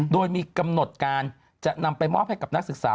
โดยมีกำหนดการจะนำไปมอบให้กับนักศึกษา